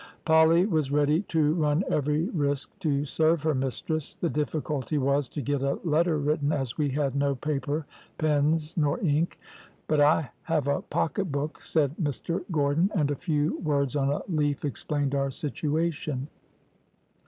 "Polly was ready to run every risk to serve her mistress, the difficulty was to get a letter written as we had no paper, pens, nor ink; but I have a pocket book, said Mr Gordon, and a few words on a leaf explained our situation.